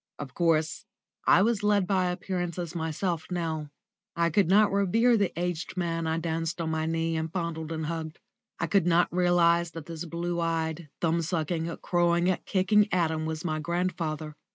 Of course, I was led by appearances myself now. I could not revere the aged man I danced on my knee and fondled and hugged. I could not realise that this blue eyed, thumb sucking, crowing, kicking atom was my grandfather.